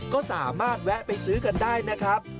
ก็สามารถแวะไปซื้อกันได้นะครับ